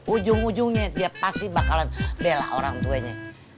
ujung ujungnya dia pasti bakalan bela orang tuanya